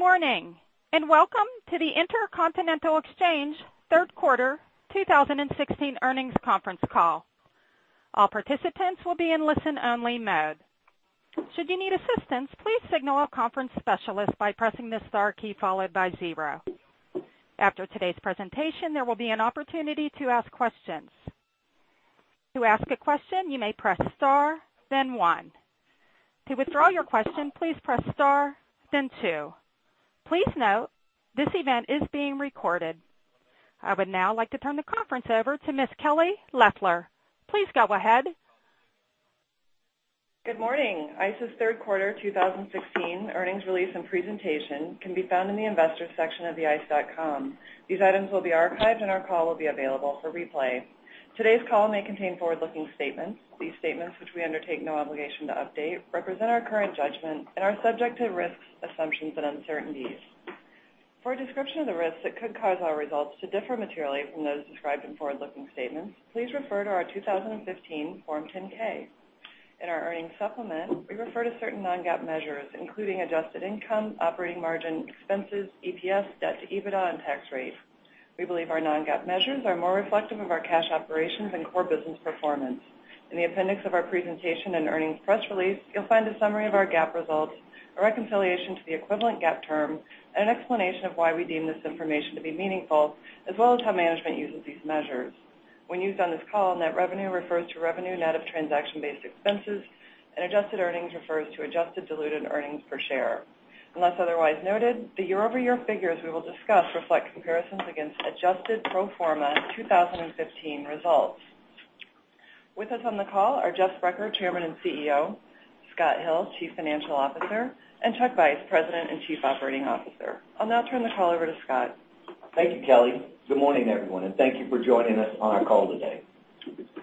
Good morning, and welcome to the Intercontinental Exchange third quarter 2016 earnings conference call. All participants will be in listen-only mode. Should you need assistance, please signal a conference specialist by pressing the star key followed by zero. After today's presentation, there will be an opportunity to ask questions. To ask a question, you may press star, then one. To withdraw your question, please press star, then two. Please note, this event is being recorded. I would now like to turn the conference over to Ms. Kelly Loeffler. Please go ahead. Good morning. ICE's third quarter 2016 earnings release and presentation can be found in the Investors section of theice.com. These items will be archived and our call will be available for replay. Today's call may contain forward-looking statements. These statements, which we undertake no obligation to update, represent our current judgment and are subject to risks, assumptions, and uncertainties. For a description of the risks that could cause our results to differ materially from those described in forward-looking statements, please refer to our 2015 Form 10-K. In our earnings supplement, we refer to certain non-GAAP measures, including adjusted income, operating margin, expenses, EPS, debt to EBITDA, and tax rate. We believe our non-GAAP measures are more reflective of our cash operations and core business performance. In the appendix of our presentation and earnings press release, you'll find a summary of our GAAP results, a reconciliation to the equivalent GAAP term, and an explanation of why we deem this information to be meaningful, as well as how management uses these measures. When used on this call, net revenue refers to revenue net of transaction-based expenses, and adjusted earnings refers to adjusted diluted earnings per share. Unless otherwise noted, the year-over-year figures we will discuss reflect comparisons against adjusted pro forma 2015 results. With us on the call are Jeff Sprecher, Chairman and CEO, Scott Hill, Chief Financial Officer, and Chuck Vice, President and Chief Operating Officer. I'll now turn the call over to Scott. Thank you, Kelly. Good morning, everyone, and thank you for joining us on our call today.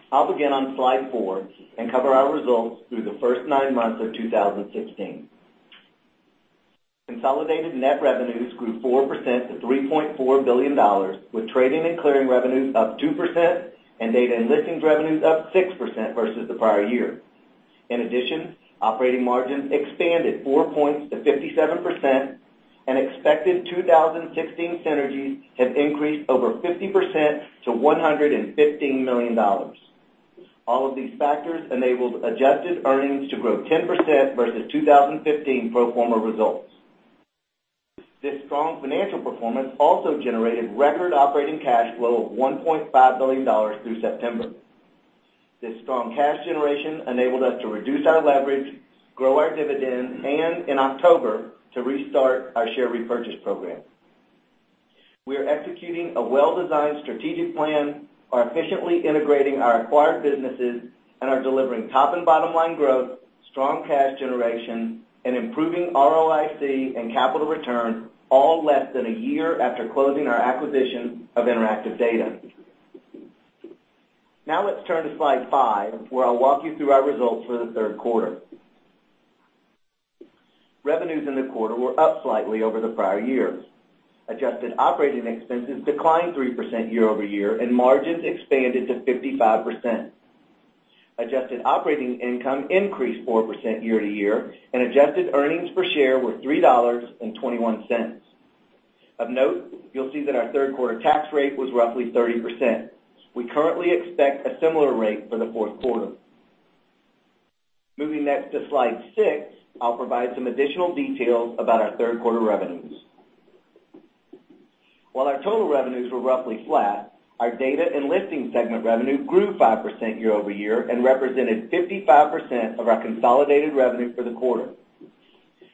I'll begin on slide four and cover our results through the first nine months of 2016. Consolidated net revenues grew 4% to $3.4 billion, with trading and clearing revenues up 2% and data and listings revenues up 6% versus the prior year. In addition, operating margins expanded four points to 57%, and expected 2016 synergies have increased over 50% to $115 million. All of these factors enabled adjusted earnings to grow 10% versus 2015 pro forma results. This strong financial performance also generated record operating cash flow of $1.5 billion through September. This strong cash generation enabled us to reduce our leverage, grow our dividend, and, in October, to restart our share repurchase program. We are executing a well-designed strategic plan, are efficiently integrating our acquired businesses, and are delivering top and bottom-line growth, strong cash generation, and improving ROIC and capital return, all less than a year after closing our acquisition of Interactive Data. Now let's turn to slide five, where I'll walk you through our results for the third quarter. Revenues in the quarter were up slightly over the prior year. Adjusted operating expenses declined 3% year-over-year, and margins expanded to 55%. Adjusted operating income increased 4% year-to-year, and adjusted earnings per share were $3.21. Of note, you'll see that our third-quarter tax rate was roughly 30%. We currently expect a similar rate for the fourth quarter. Moving next to slide six, I'll provide some additional details about our third-quarter revenues. While our total revenues were roughly flat, our data and listings segment revenue grew 5% year-over-year and represented 55% of our consolidated revenue for the quarter.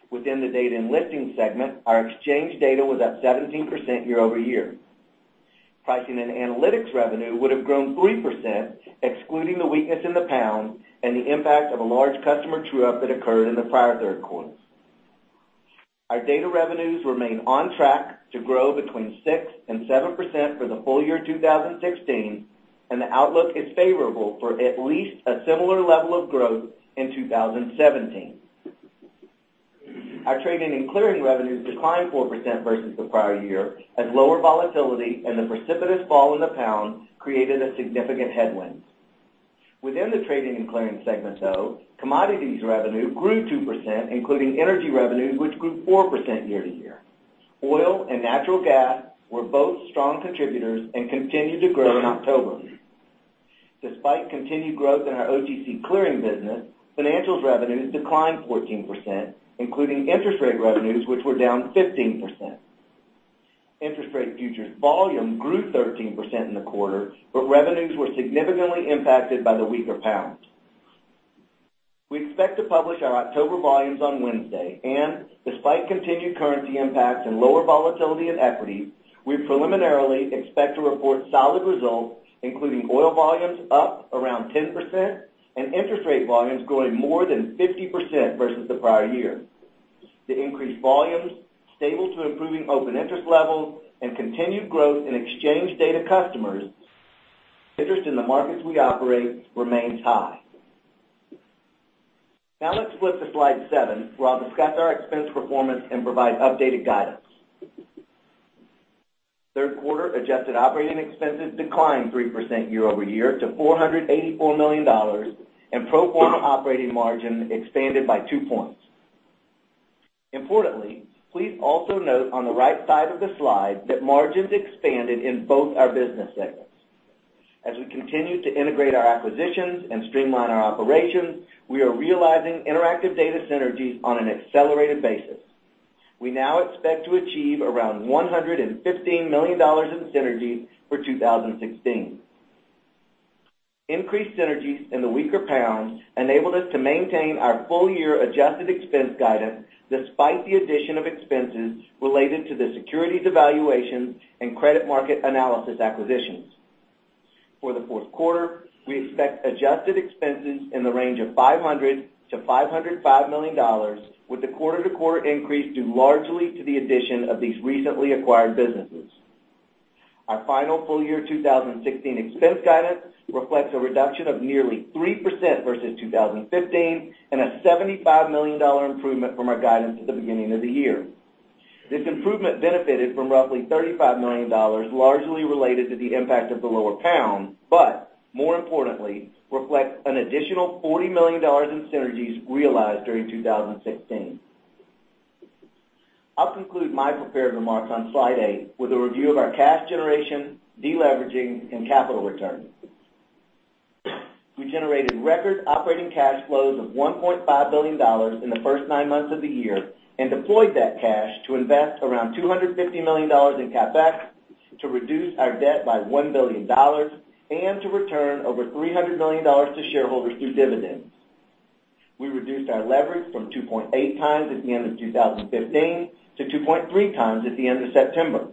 Within the data and listings segment, our exchange data was up 17% year-over-year. Pricing and analytics revenue would've grown 3%, excluding the weakness in the pound and the impact of a large customer true-up that occurred in the prior third quarter. Our data revenues remain on track to grow between 6% and 7% for the full year 2016, and the outlook is favorable for at least a similar level of growth in 2017. Our trading and clearing revenues declined 4% versus the prior year as lower volatility and the precipitous fall in the pound created a significant headwind. Within the trading and clearing segment, though, commodities revenue grew 2%, including energy revenue, which grew 4% year-to-year. Oil and natural gas were both strong contributors and continued to grow in October. Despite continued growth in our OTC clearing business, financials revenues declined 14%, including interest rate revenues, which were down 15%. Interest rate futures volume grew 13% in the quarter, but revenues were significantly impacted by the weaker pound. We expect to publish our October volumes on Wednesday, and despite continued currency impacts and lower volatility in equities, we preliminarily expect to report solid results, including oil volumes up around 10% and interest rate volumes growing more than 50% versus the prior year. The increased volumes, stable to improving open interest levels, and continued growth in exchange data customers, interest in the markets we operate remains high. Now let's flip to slide seven, where I'll discuss our expense performance and provide updated guidance. Third quarter adjusted operating expenses declined 3% year-over-year to $484 million, and pro forma operating margin expanded by two points. Importantly, please also note on the right side of the slide that margins expanded in both our business segments. As we continue to integrate our acquisitions and streamline our operations, we are realizing Interactive Data synergies on an accelerated basis. We now expect to achieve around $115 million in synergies for 2016. Increased synergies and the weaker pound enabled us to maintain our full-year adjusted expense guidance despite the addition of expenses related to the Securities Evaluations and Credit Market Analysis acquisitions. For the fourth quarter, we expect adjusted expenses in the range of $500 to $505 million, with the quarter-to-quarter increase due largely to the addition of these recently acquired businesses. Our final full year 2016 expense guidance reflects a reduction of nearly 3% versus 2015 and a $75 million improvement from our guidance at the beginning of the year. This improvement benefited from roughly $35 million, largely related to the impact of the lower GBP. More importantly, reflects an additional $40 million in synergies realized during 2016. I'll conclude my prepared remarks on slide eight with a review of our cash generation, de-leveraging, and capital return. We generated record operating cash flows of $1.5 billion in the first nine months of the year and deployed that cash to invest around $250 million in CapEx to reduce our debt by $1 billion and to return over $300 million to shareholders through dividends. We reduced our leverage from 2.8 times at the end of 2015 to 2.3 times at the end of September.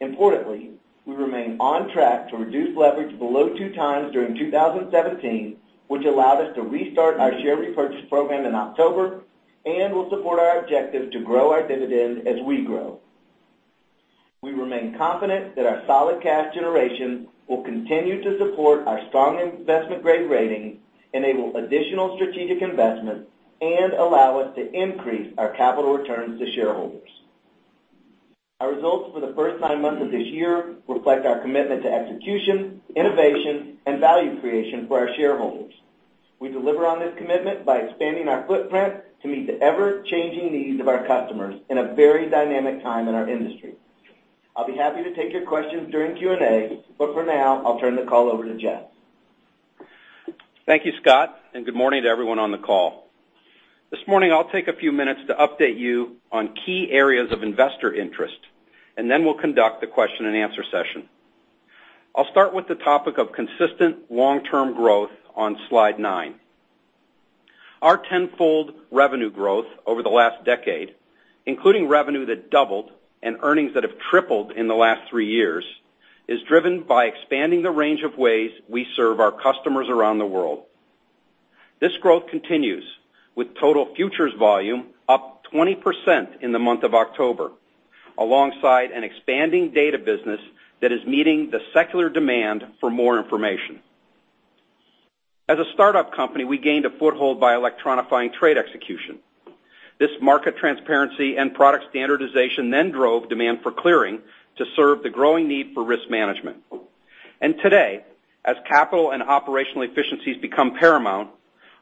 Importantly, we remain on track to reduce leverage below two times during 2017, which allowed us to restart our share repurchase program in October and will support our objective to grow our dividend as we grow. We remain confident that our solid cash generation will continue to support our strong investment-grade rating, enable additional strategic investment, and allow us to increase our capital returns to shareholders. Our results for the first nine months of this year reflect our commitment to execution, innovation, and value creation for our shareholders. We deliver on this commitment by expanding our footprint to meet the ever-changing needs of our customers in a very dynamic time in our industry. I'll be happy to take your questions during Q&A. For now, I'll turn the call over to Jeff. Thank you, Scott. Good morning to everyone on the call. This morning, I'll take a few minutes to update you on key areas of investor interest. Then we'll conduct the question and answer session. I'll start with the topic of consistent long-term growth on slide nine. Our tenfold revenue growth over the last decade, including revenue that doubled and earnings that have tripled in the last three years, is driven by expanding the range of ways we serve our customers around the world. This growth continues with total futures volume up 20% in the month of October, alongside an expanding data business that is meeting the secular demand for more information. As a startup company, we gained a foothold by electronifying trade execution. This market transparency and product standardization drove demand for clearing to serve the growing need for risk management. Today, as capital and operational efficiencies become paramount,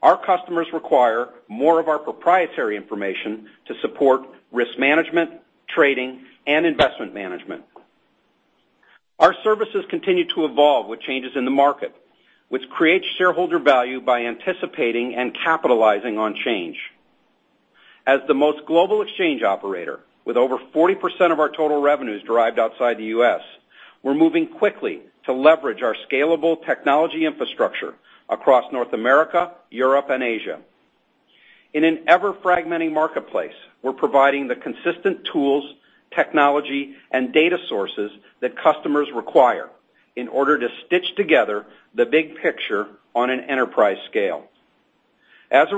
our customers require more of our proprietary information to support risk management, trading, and investment management. Our services continue to evolve with changes in the market, which creates shareholder value by anticipating and capitalizing on change. As the most global exchange operator, with over 40% of our total revenues derived outside the U.S., we're moving quickly to leverage our scalable technology infrastructure across North America, Europe, and Asia. In an ever-fragmenting marketplace, we're providing the consistent tools, technology, and data sources that customers require in order to stitch together the big picture on an enterprise scale. Because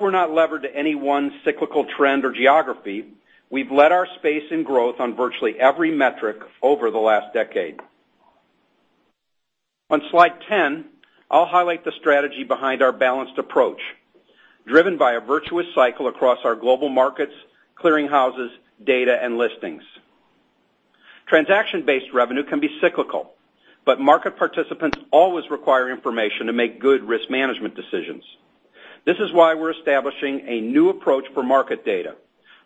we're not levered to any one cyclical trend or geography, we've led our space in growth on virtually every metric over the last decade. On slide 10, I'll highlight the strategy behind our balanced approach, driven by a virtuous cycle across our global markets, clearing houses, data, and listings. Transaction-based revenue can be cyclical, but market participants always require information to make good risk management decisions. This is why we're establishing a new approach for market data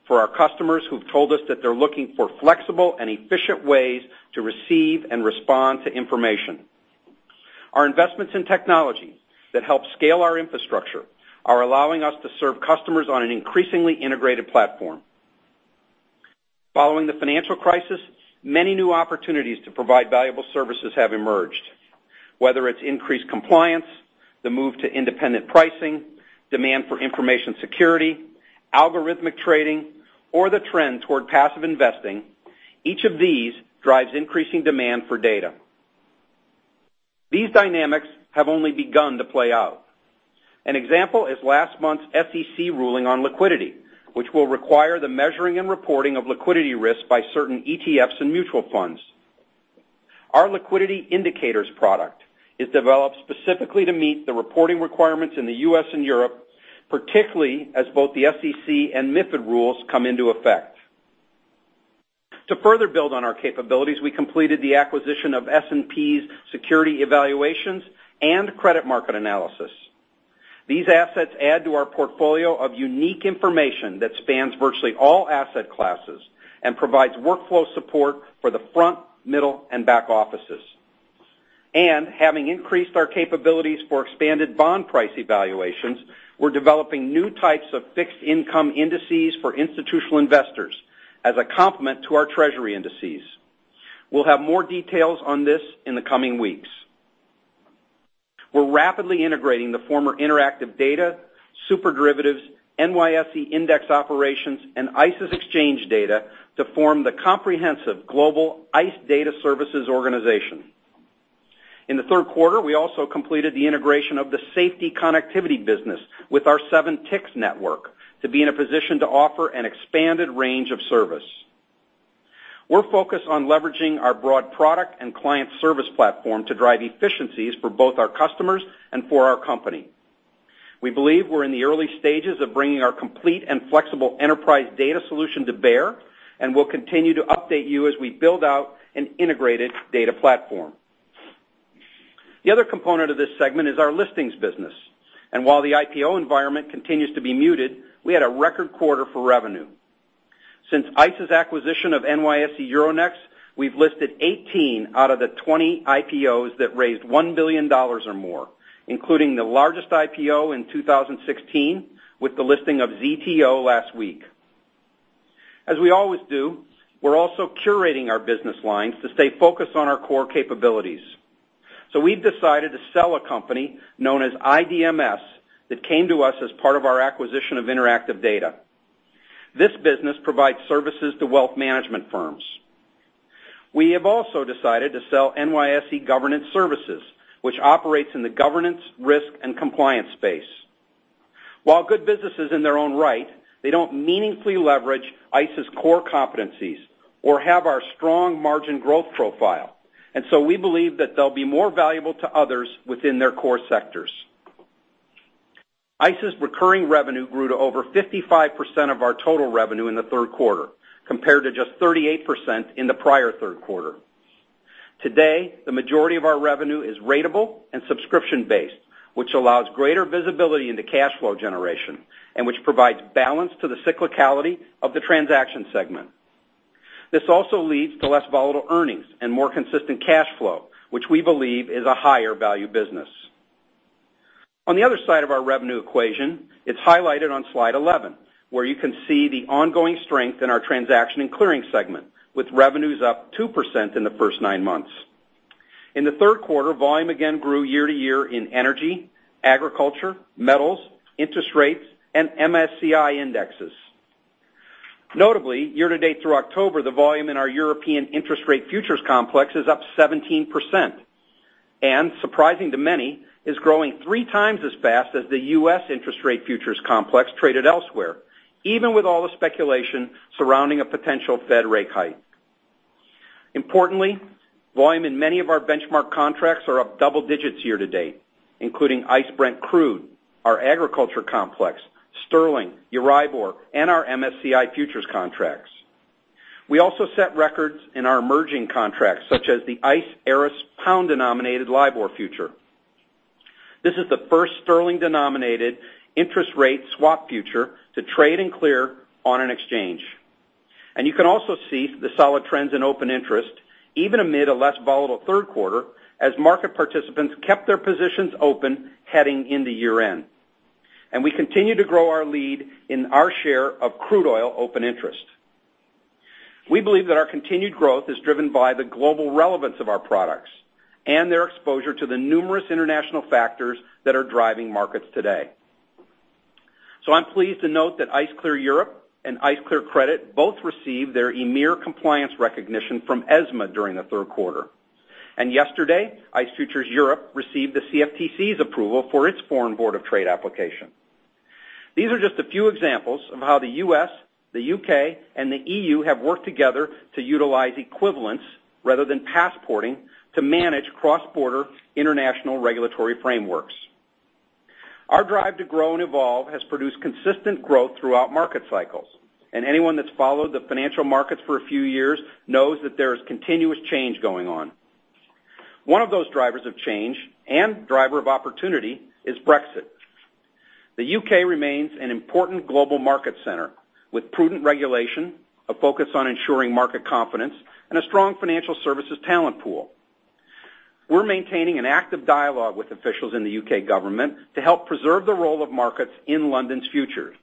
for our customers who've told us that they're looking for flexible and efficient ways to receive and respond to information. Our investments in technology that help scale our infrastructure are allowing us to serve customers on an increasingly integrated platform. Following the financial crisis, many new opportunities to provide valuable services have emerged, whether it's increased compliance, the move to independent pricing, demand for information security, algorithmic trading, or the trend toward passive investing. Each of these drives increasing demand for data. These dynamics have only begun to play out. An example is last month's SEC ruling on liquidity, which will require the measuring and reporting of liquidity risk by certain ETFs and mutual funds. Our Liquidity Indicators product is developed specifically to meet the reporting requirements in the U.S. and Europe, particularly as both the SEC and MiFID rules come into effect. To further build on our capabilities, we completed the acquisition of S&P's Securities Evaluations and Credit Market Analysis. These assets add to our portfolio of unique information that spans virtually all asset classes and provides workflow support for the front, middle, and back offices. Having increased our capabilities for expanded bond price evaluations, we're developing new types of fixed income indices for institutional investors as a complement to our treasury indices. We'll have more details on this in the coming weeks. We're rapidly integrating the former Interactive Data, SuperDerivatives, NYSE index operations, and ICE's exchange data to form the comprehensive global ICE Data Services organization. In the third quarter, we also completed the integration of the SFTI connectivity business with our 7ticks network to be in a position to offer an expanded range of service. We're focused on leveraging our broad product and client service platform to drive efficiencies for both our customers and for our company. We believe we're in the early stages of bringing our complete and flexible enterprise data solution to bear, and we'll continue to update you as we build out an integrated data platform. The other component of this segment is our listings business. While the IPO environment continues to be muted, we had a record quarter for revenue. Since ICE's acquisition of NYSE Euronext, we've listed 18 out of the 20 IPOs that raised $1 billion or more, including the largest IPO in 2016 with the listing of ZTO last week. As we always do, we're also curating our business lines to stay focused on our core capabilities. We've decided to sell a company known as IDMS that came to us as part of our acquisition of Interactive Data. This business provides services to wealth management firms. We have also decided to sell NYSE Governance Services, which operates in the governance, risk, and compliance space. While good businesses in their own right, they don't meaningfully leverage ICE's core competencies or have our strong margin growth profile. We believe that they'll be more valuable to others within their core sectors. ICE's recurring revenue grew to over 55% of our total revenue in the third quarter, compared to just 38% in the prior third quarter. Today, the majority of our revenue is ratable and subscription-based, which allows greater visibility into cash flow generation, which provides balance to the cyclicality of the transaction segment. This also leads to less volatile earnings and more consistent cash flow, which we believe is a higher value business. On the other side of our revenue equation, it's highlighted on slide 11, where you can see the ongoing strength in our transaction and clearing segment, with revenues up 2% in the first nine months. In the third quarter, volume again grew year-over-year in energy, agriculture, metals, interest rates, and MSCI indexes. Notably, year-to-date through October, the volume in our European interest rate futures complex is up 17%. Surprising to many, is growing three times as fast as the U.S. interest rate futures complex traded elsewhere, even with all the speculation surrounding a potential Fed rate hike. Importantly, volume in many of our benchmark contracts are up double digits year-to-date, including ICE Brent Crude, our agriculture complex, sterling, Euribor, and our MSCI futures contracts. We also set records in our emerging contracts such as the ICE Eris pound-denominated LIBOR future. This is the first sterling-denominated interest rate swap future to trade and clear on an exchange. You can also see the solid trends in open interest, even amid a less volatile third quarter, as market participants kept their positions open heading into year-end. We continue to grow our lead in our share of crude oil open interest. We believe that our continued growth is driven by the global relevance of our products and their exposure to the numerous international factors that are driving markets today. I'm pleased to note that ICE Clear Europe and ICE Clear Credit both received their EMIR compliance recognition from ESMA during the third quarter. Yesterday, ICE Futures Europe received the CFTC's approval for its Foreign Board of Trade application. These are just a few examples of how the U.S., the U.K., and the EU have worked together to utilize equivalence rather than passporting to manage cross-border international regulatory frameworks. Our drive to grow and evolve has produced consistent growth throughout market cycles. Anyone that's followed the financial markets for a few years knows that there is continuous change going on. One of those drivers of change and driver of opportunity is Brexit. The U.K. remains an important global market center with prudent regulation, a focus on ensuring market confidence, and a strong financial services talent pool. We're maintaining an active dialogue with officials in the U.K. government to help preserve the role of markets in London's future.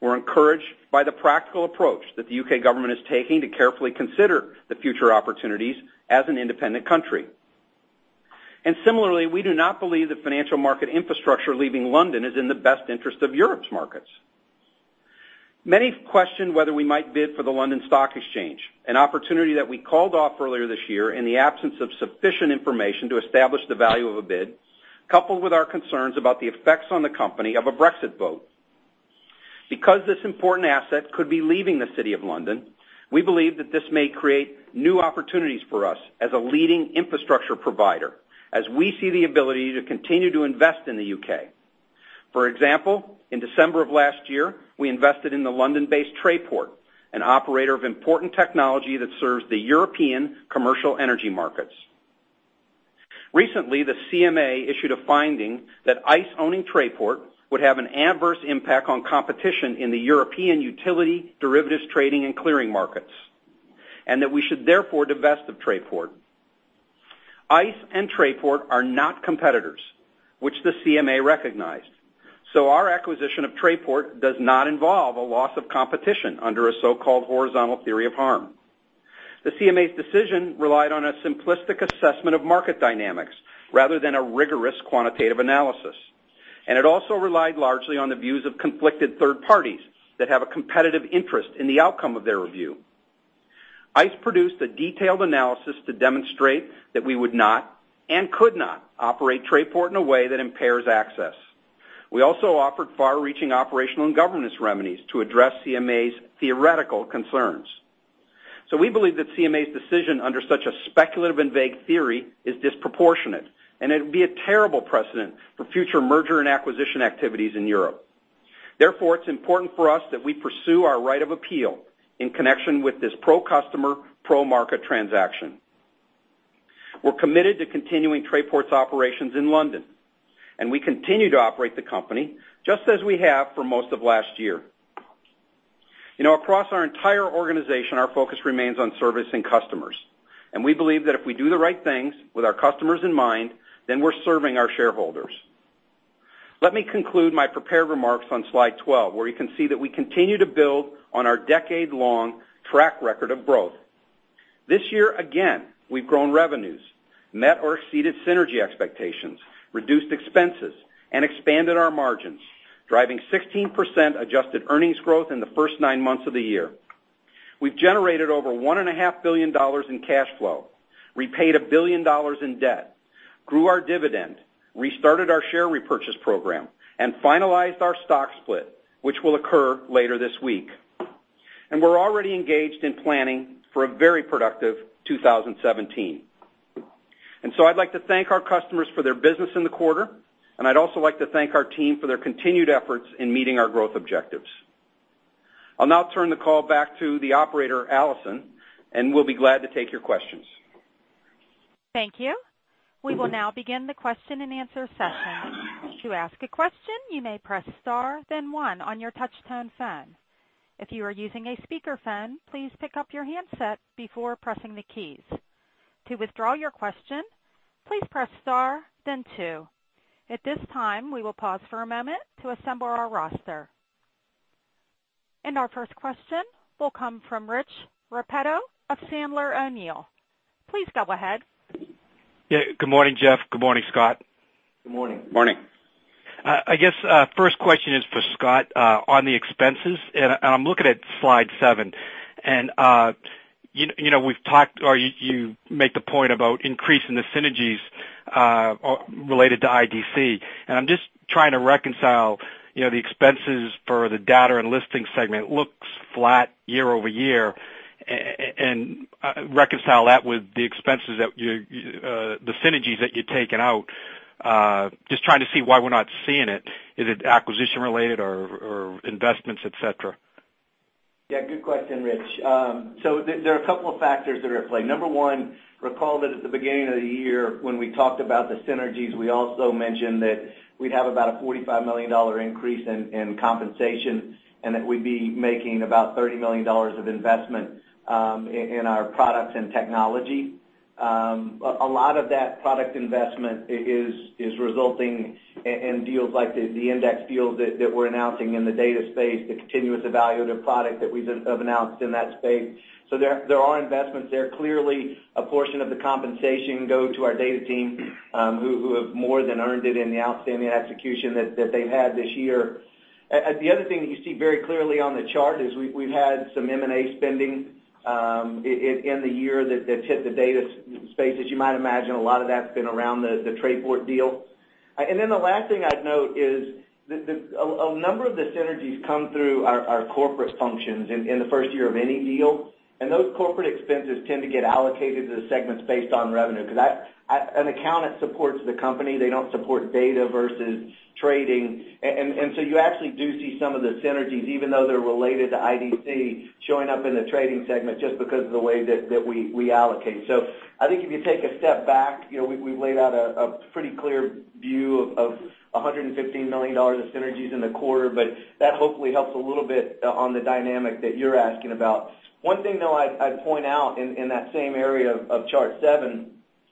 We're encouraged by the practical approach that the U.K. government is taking to carefully consider the future opportunities as an independent country. Similarly, we do not believe that financial market infrastructure leaving London is in the best interest of Europe's markets. Many question whether we might bid for the London Stock Exchange, an opportunity that we called off earlier this year in the absence of sufficient information to establish the value of a bid, coupled with our concerns about the effects on the company of a Brexit vote. Because this important asset could be leaving the city of London, we believe that this may create new opportunities for us as a leading infrastructure provider, as we see the ability to continue to invest in the U.K. For example, in December of last year, we invested in the London-based Trayport, an operator of important technology that serves the European commercial energy markets. Recently, the CMA issued a finding that ICE owning Trayport would have an adverse impact on competition in the European utility derivatives trading and clearing markets, and that we should therefore divest of Trayport. ICE and Trayport are not competitors, which the CMA recognized. Our acquisition of Trayport does not involve a loss of competition under a so-called horizontal theory of harm. The CMA's decision relied on a simplistic assessment of market dynamics rather than a rigorous quantitative analysis. It also relied largely on the views of conflicted third parties that have a competitive interest in the outcome of their review. ICE produced a detailed analysis to demonstrate that we would not and could not operate Trayport in a way that impairs access. We also offered far-reaching operational and governance remedies to address CMA's theoretical concerns. We believe that CMA's decision under such a speculative and vague theory is disproportionate, and it'd be a terrible precedent for future merger and acquisition activities in Europe. It's important for us that we pursue our right of appeal in connection with this pro-customer, pro-market transaction. We're committed to continuing Trayport's operations in London, and we continue to operate the company just as we have for most of last year. Across our entire organization, our focus remains on servicing customers. We believe that if we do the right things with our customers in mind, we're serving our shareholders. Let me conclude my prepared remarks on slide 12, where you can see that we continue to build on our decade-long track record of growth. This year, again, we've grown revenues, met or exceeded synergy expectations, reduced expenses, and expanded our margins, driving 16% adjusted earnings growth in the first nine months of the year. We've generated over $1.5 billion in cash flow, repaid $1 billion in debt, grew our dividend, restarted our share repurchase program, and finalized our stock split, which will occur later this week. We're already engaged in planning for a very productive 2017. I'd like to thank our customers for their business in the quarter, and I'd also like to thank our team for their continued efforts in meeting our growth objectives. I'll now turn the call back to the operator, Allison, we'll be glad to take your questions. Thank you. We will now begin the question-and-answer session. To ask a question, you may press star, then one on your touch-tone phone. If you are using a speakerphone, please pick up your handset before pressing the keys. To withdraw your question, please press star, then two. At this time, we will pause for a moment to assemble our roster. Our first question will come from Rich Repetto of Sandler O'Neill. Please go ahead. Yeah. Good morning, Jeff. Good morning, Scott. Good morning. Morning. I guess, first question is for Scott, on the expenses. I'm looking at slide seven. You make the point about increasing the synergies related to IDC. I'm just trying to reconcile the expenses for the data and listing segment looks flat year-over-year, and reconcile that with the synergies that you're taking out. Just trying to see why we're not seeing it. Is it acquisition related or investments, et cetera? Good question, Rich. There are a couple of factors that are at play. Number one, recall that at the beginning of the year when we talked about the synergies, we also mentioned that we'd have about a $45 million increase in compensation, and that we'd be making about $30 million of investment in our products and technology. A lot of that product investment is resulting in deals like the index deals that we're announcing in the data space, the continuous evaluative product that we have announced in that space. There are investments there. Clearly, a portion of the compensation go to our data team, who have more than earned it in the outstanding execution that they've had this year. The other thing that you see very clearly on the chart is we've had some M&A spending in the year that's hit the data space. As you might imagine, a lot of that's been around the Trayport deal. The last thing I'd note is a number of the synergies come through our corporate functions in the first year of any deal. Those corporate expenses tend to get allocated to the segments based on revenue, because an account that supports the company, they don't support data versus trading. You actually do see some of the synergies, even though they're related to IDC, showing up in the trading segment just because of the way that we allocate. I think if you take a step back, we've laid out a pretty clear view of $115 million of synergies in the quarter, but that hopefully helps a little bit on the dynamic that you're asking about. One thing, though, I'd point out in that same area of chart seven,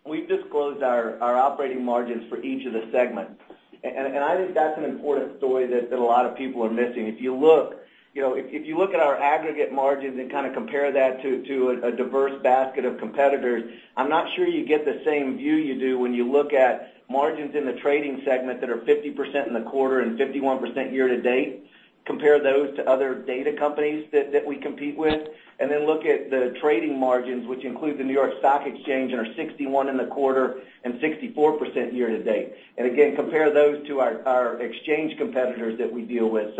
we've disclosed our operating margins for each of the segments. I think that's an important story that a lot of people are missing. If you look at our aggregate margins and kind of compare that to a diverse basket of competitors, I'm not sure you get the same view you do when you look at margins in the trading segment that are 50% in the quarter and 51% year-to-date. Compare those to other data companies that we compete with, then look at the trading margins, which include the New York Stock Exchange and are 61% in the quarter and 64% year-to-date. Again, compare those to our exchange competitors that we deal with.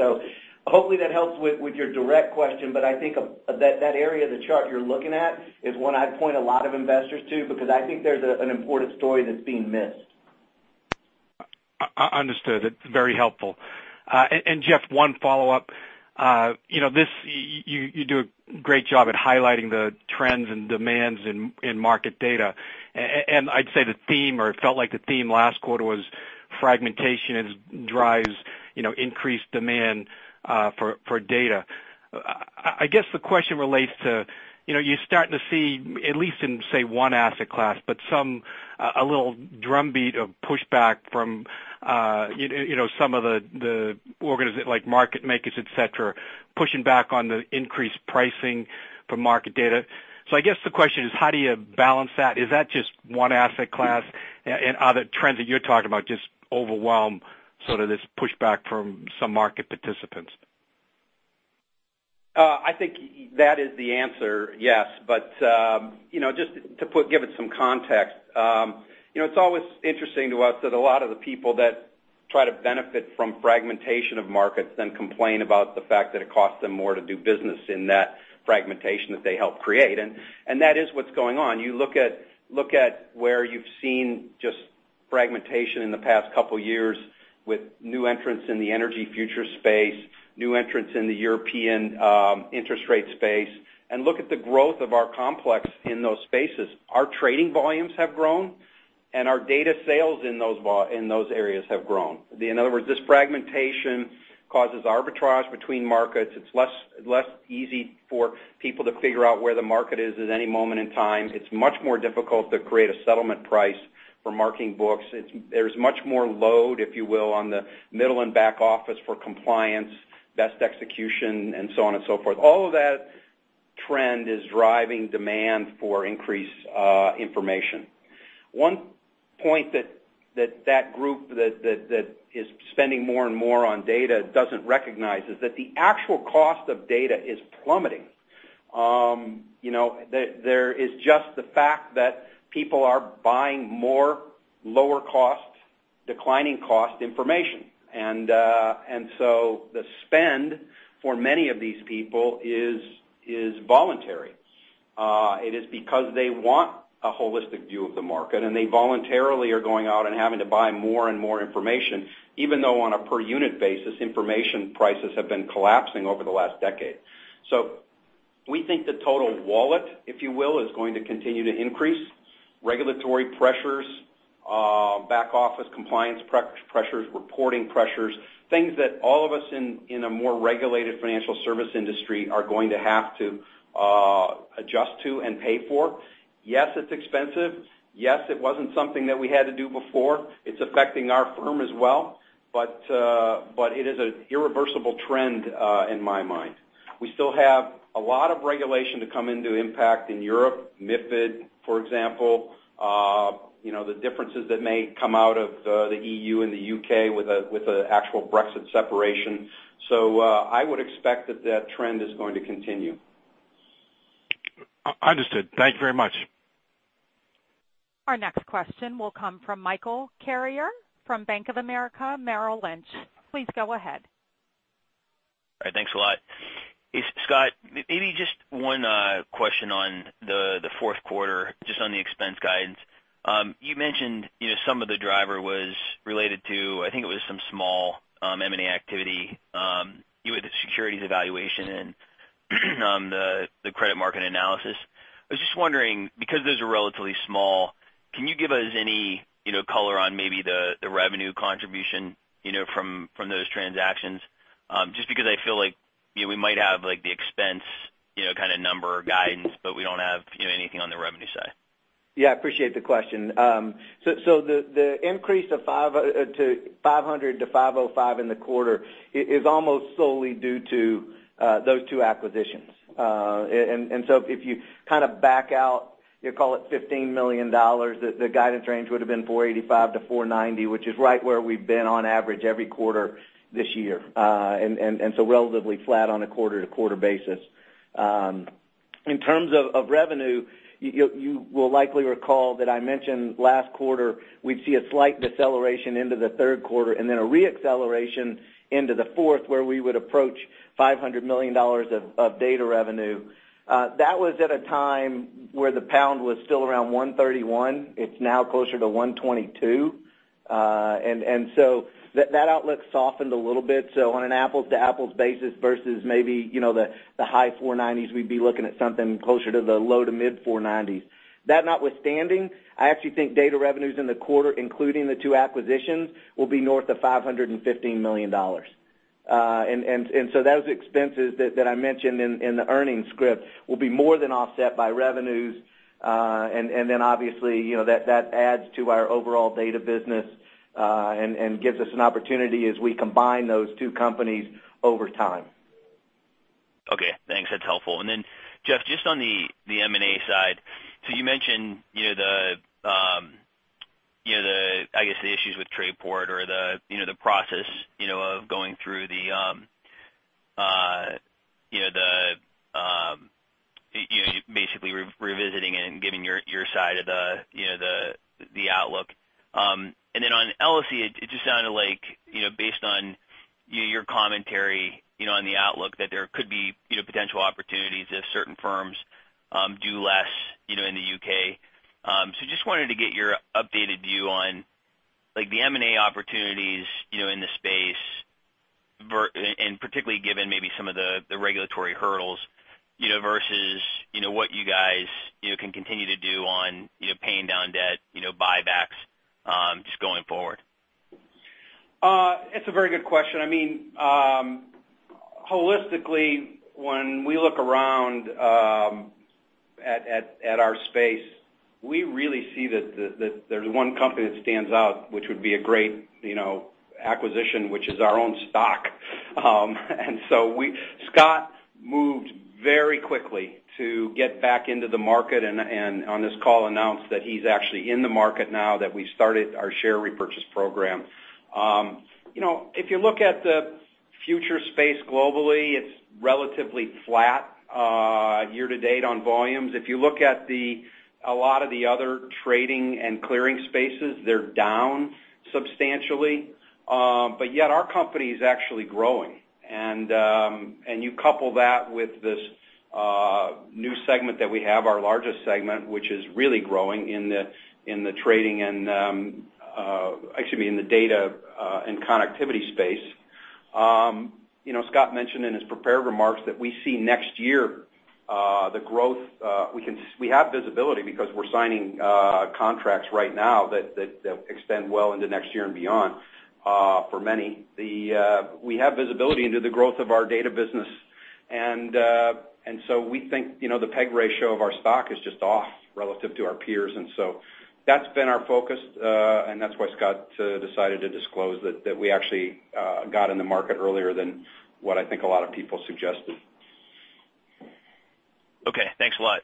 Hopefully that helps with your direct question, but I think that area of the chart you're looking at is one I'd point a lot of investors to, because I think there's an important story that's being missed. Understood. It's very helpful. Jeff, one follow-up. You do a great job at highlighting the trends and demands in market data. I'd say the theme, or it felt like the theme last quarter was fragmentation drives increased demand for data. I guess the question relates to, you're starting to see, at least in, say, one asset class, but some, a little drumbeat of pushback from some of the like market makers, et cetera, pushing back on the increased pricing for market data. I guess the question is, how do you balance that? Is that just one asset class? Are the trends that you're talking about just overwhelm sort of this pushback from some market participants? I think that is the answer, yes. Just to give it some context. It's always interesting to us that a lot of the people that try to benefit from fragmentation of markets then complain about the fact that it costs them more to do business in that fragmentation that they help create. That is what's going on. You look at where you've seen just fragmentation in the past couple of years with new entrants in the energy futures space, new entrants in the European interest rate space, and look at the growth of our complex in those spaces. Our trading volumes have grown, and our data sales in those areas have grown. In other words, this fragmentation causes arbitrage between markets. It's less easy for people to figure out where the market is at any moment in time. It's much more difficult to create a settlement price for marking books. There's much more load, if you will, on the middle and back office for compliance, best execution, and so on and so forth. All of that trend is driving demand for increased information. One point that that group that is spending more and more on data doesn't recognize is that the actual cost of data is plummeting. There is just the fact that people are buying more lower-cost, declining-cost information. The spend for many of these people is voluntary. It is because they want a holistic view of the market, and they voluntarily are going out and having to buy more and more information, even though on a per-unit basis, information prices have been collapsing over the last decade. We think the total wallet, if you will, is going to continue to increase. Regulatory pressures, back-office compliance pressures, reporting pressures, things that all of us in a more regulated financial service industry are going to have to adjust to and pay for. Yes, it's expensive. Yes, it wasn't something that we had to do before. It's affecting our firm as well, it is an irreversible trend in my mind. We still have a lot of regulation to come into impact in Europe, MiFID, for example, the differences that may come out of the EU and the U.K. with the actual Brexit separation. I would expect that that trend is going to continue. Understood. Thank you very much. Our next question will come from Michael Carrier from Bank of America Merrill Lynch. Please go ahead. All right. Thanks a lot. Scott, maybe just one question on the fourth quarter, just on the expense guidance. You mentioned some of the driver was related to, I think it was some small M&A activity. You had the Securities Evaluations and the Credit Market Analysis. I was just wondering, because those are relatively small, can you give us any color on maybe the revenue contribution from those transactions? Just because I feel like, we might have the expense kind of number or guidance, but we don't have anything on the revenue side. Yeah, appreciate the question. The increase to $500-$505 in the quarter is almost solely due to those two acquisitions. If you kind of back out, you call it $15 million, the guidance range would've been $485-$490, which is right where we've been on average every quarter this year. Relatively flat on a quarter-to-quarter basis. In terms of revenue, you will likely recall that I mentioned last quarter, we'd see a slight deceleration into the third quarter and then a re-acceleration into the fourth, where we would approach $500 million of data revenue. That was at a time where the pound was still around 131. It's now closer to 122. That outlook softened a little bit. On an apples-to-apples basis versus maybe the high 490s, we'd be looking at something closer to the low to mid 490s. That notwithstanding, I actually think data revenues in the quarter, including the two acquisitions, will be north of $515 million. Those expenses that I mentioned in the earnings script will be more than offset by revenues. Obviously, that adds to our overall data business, and gives us an opportunity as we combine those two companies over time. helpful. Jeff, just on the M&A side. You mentioned, I guess, the issues with Trayport or the process of going through basically revisiting it and giving your side of the outlook. On LSE, it just sounded like based on your commentary on the outlook that there could be potential opportunities if certain firms do less in the U.K. Just wanted to get your updated view on the M&A opportunities in the space, and particularly given maybe some of the regulatory hurdles versus what you guys can continue to do on paying down debt, buybacks, just going forward. It's a very good question. Holistically, when we look around at our space, we really see that there's one company that stands out, which would be a great acquisition, which is our own stock. Scott moved very quickly to get back into the market and on this call announced that he's actually in the market now, that we've started our share repurchase program. If you look at the future space globally, it's relatively flat year to date on volumes. If you look at a lot of the other trading and clearing spaces, they're down substantially. Our company's actually growing. You couple that with this new segment that we have, our largest segment, which is really growing in the data and connectivity space. Scott mentioned in his prepared remarks that we see next year, we have visibility because we're signing contracts right now that extend well into next year and beyond for many. We have visibility into the growth of our data business, we think the PEG ratio of our stock is just off relative to our peers. That's been our focus, and that's why Scott decided to disclose that we actually got in the market earlier than what I think a lot of people suggested. Okay, thanks a lot.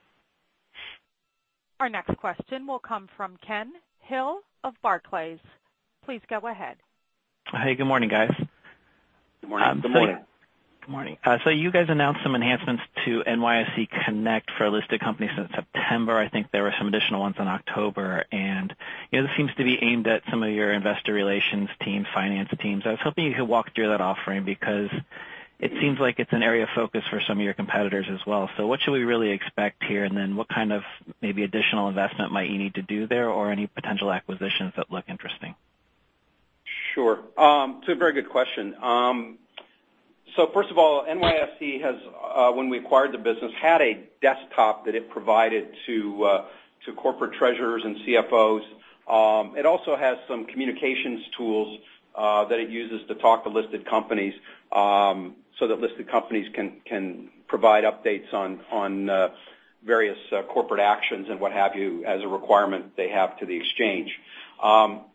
Our next question will come from Ken Hill of Barclays. Please go ahead. Hey, good morning, guys. Good morning. Good morning. Good morning. You guys announced some enhancements to NYSE Connect for listed companies since September. I think there were some additional ones in October. This seems to be aimed at some of your investor relations team, finance teams. I was hoping you could walk through that offering because it seems like it's an area of focus for some of your competitors as well. What should we really expect here, and then what kind of maybe additional investment might you need to do there or any potential acquisitions that look interesting? Sure. It's a very good question. First of all, NYSE has, when we acquired the business, had a desktop that it provided to corporate treasurers and CFOs. It also has some communications tools that it uses to talk to listed companies, so that listed companies can provide updates on various corporate actions and what have you as a requirement they have to the exchange.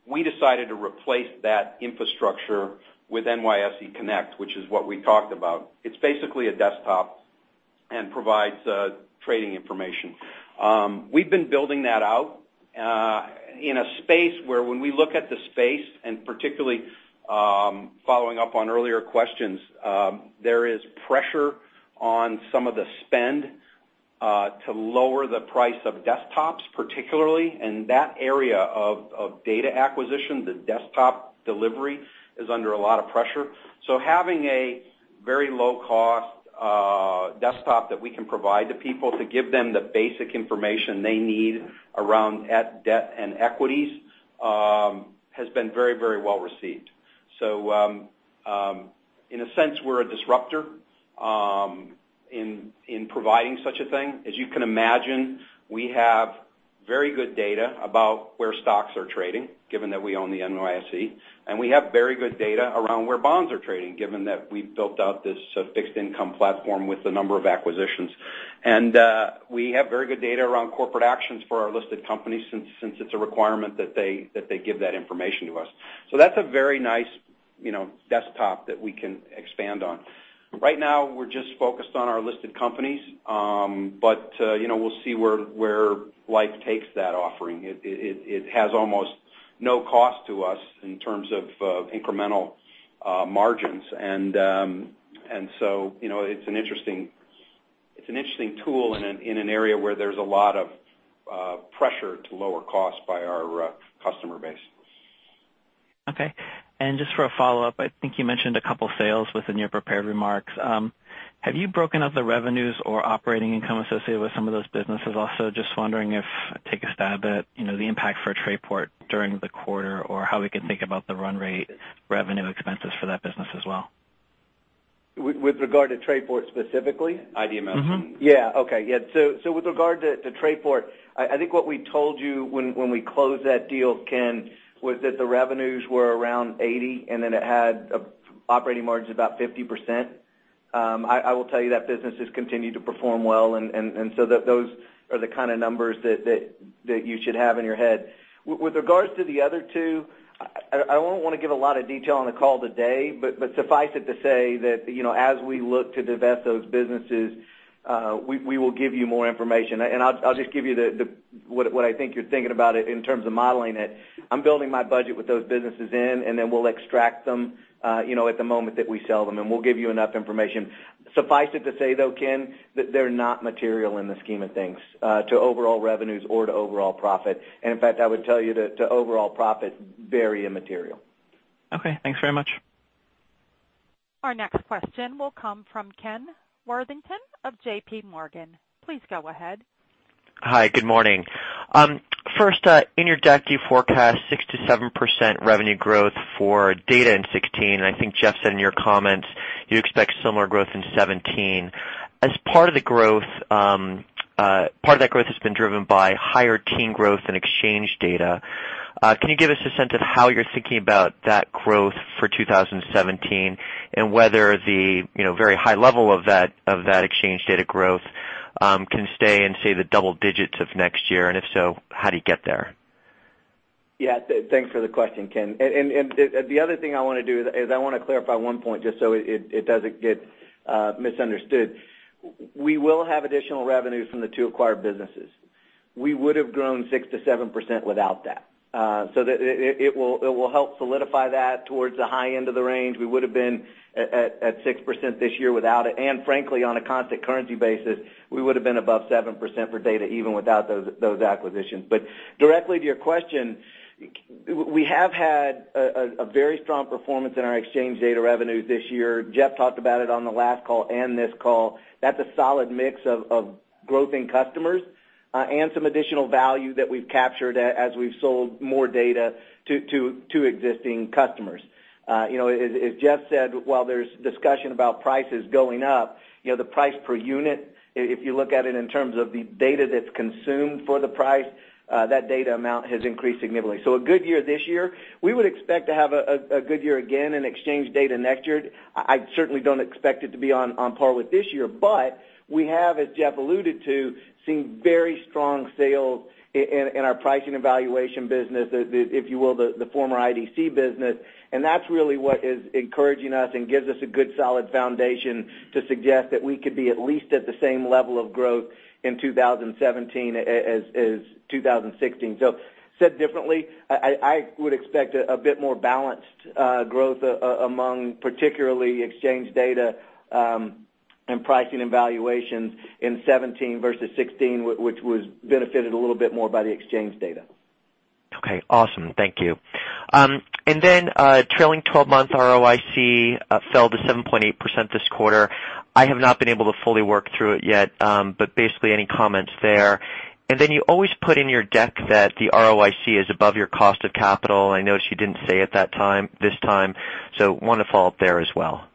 We decided to replace that infrastructure with NYSE Connect, which is what we talked about. It's basically a desktop and provides trading information. We've been building that out in a space where when we look at the space, particularly following up on earlier questions, there is pressure on some of the spend to lower the price of desktops particularly, and that area of data acquisition, the desktop delivery, is under a lot of pressure. Having a very low-cost desktop that we can provide to people to give them the basic information they need around debt and equities has been very well received. In a sense, we're a disruptor in providing such a thing. As you can imagine, we have very good data about where stocks are trading, given that we own the NYSE, and we have very good data around where bonds are trading, given that we've built out this fixed income platform with a number of acquisitions. We have very good data around corporate actions for our listed companies since it's a requirement that they give that information to us. That's a very nice desktop that we can expand on. Right now, we're just focused on our listed companies, but we'll see where life takes that offering. It has almost no cost to us in terms of incremental margins. It's an interesting tool in an area where there's a lot of pressure to lower costs by our customer base. Okay. Just for a follow-up, I think you mentioned a couple sales within your prepared remarks. Have you broken up the revenues or operating income associated with some of those businesses? Also, just wondering if take a stab at the impact for Trayport during the quarter or how we can think about the run rate revenue expenses for that business as well. With regard to Trayport specifically? IDMS. Yeah. Okay. With regard to Trayport, I think what we told you when we closed that deal, Ken, was that the revenues were around $80, and then it had operating margins about 50%. I will tell you that business has continued to perform well, those are the kind of numbers that you should have in your head. With regards to the other two I wouldn't want to give a lot of detail on the call today, suffice it to say that, as we look to divest those businesses, we will give you more information. I'll just give you what I think you're thinking about it in terms of modeling it. I'm building my budget with those businesses in, then we'll extract them at the moment that we sell them, and we'll give you enough information. Suffice it to say, though, Ken, that they're not material in the scheme of things to overall revenues or to overall profit. In fact, I would tell you that to overall profit, very immaterial. Okay, thanks very much. Our next question will come from Ken Worthington of J.P. Morgan. Please go ahead. Hi, good morning. First, in your deck you forecast 67% revenue growth for data in 2016, I think Jeff said in your comments, you expect similar growth in 2017. Part of that growth has been driven by higher teen growth and exchange data. Can you give us a sense of how you're thinking about that growth for 2017, and whether the very high level of that exchange data growth can stay in, say, the double digits of next year? If so, how do you get there? Yeah. Thanks for the question, Ken. The other thing I want to do is I want to clarify one point just so it doesn't get misunderstood. We will have additional revenues from the two acquired businesses. We would've grown 6%-7% without that. It will help solidify that towards the high end of the range. We would've been at 6% this year without it, and frankly, on a constant currency basis, we would've been above 7% for data, even without those acquisitions. Directly to your question, we have had a very strong performance in our exchange data revenues this year. Jeff talked about it on the last call and this call. That's a solid mix of growth in customers, and some additional value that we've captured as we've sold more data to existing customers. As Jeff said, while there's discussion about prices going up, the price per unit, if you look at it in terms of the data that's consumed for the price, that data amount has increased significantly. A good year this year. We would expect to have a good year again in exchange data next year. I certainly don't expect it to be on par with this year, but we have, as Jeff alluded to, seen very strong sales in our pricing evaluation business, if you will, the former IDC business, and that's really what is encouraging us and gives us a good solid foundation to suggest that we could be at least at the same level of growth in 2017 as 2016. Said differently, I would expect a bit more balanced growth among particularly exchange data, and pricing evaluations in 2017 versus 2016, which was benefited a little bit more by the exchange data. Okay, awesome. Thank you. Trailing 12 month ROIC fell to 7.8% this quarter. I have not been able to fully work through it yet, but basically any comments there? You always put in your deck that the ROIC is above your cost of capital. I notice you didn't say it this time, want to follow up there as well.